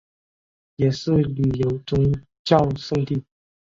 也是旅游宗教胜地。